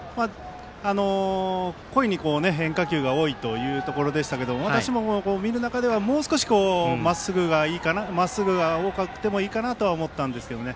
故意に変化球が多いということでしたけども私が見た中でももう少しまっすぐが多くてもいいかなとは思ったんですがね。